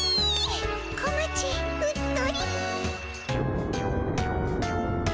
小町うっとり。